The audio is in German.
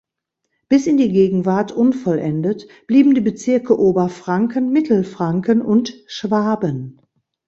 Bis in die Gegenwart unvollendet blieben die Bezirke Oberfranken, Mittelfranken und Schwaben.